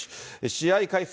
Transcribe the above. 試合開始